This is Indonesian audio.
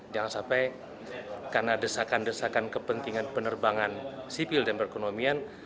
jangan sampai karena desakan desakan kepentingan penerbangan sipil dan perekonomian